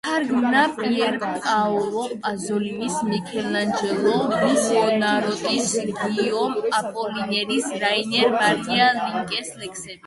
თარგმნა პიერ პაოლო პაზოლინის, მიქელანჯელო ბუონაროტის, გიიომ აპოლინერის, რაინერ მარია რილკეს ლექსები.